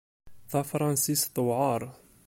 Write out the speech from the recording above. Tafṛansist tewɛeṛ.